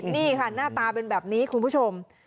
นี่ค่ะหน้าตาเป็นแบบนี้คุณผู้ชม